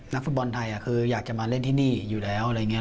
ฟุตบอลไทยคืออยากจะมาเล่นที่นี่อยู่แล้วอะไรอย่างนี้